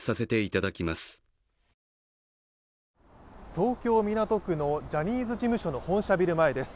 東京・港区のジャニーズ事務所の本社ビル前です。